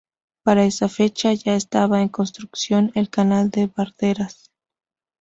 Para esa fecha ya estaba en construcción el Canal de Bardenas.